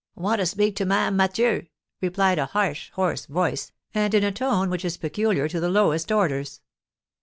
"Want to speak to Ma'am Mathieu," replied a harsh, hoarse voice, and in a tone which is peculiar to the lowest orders.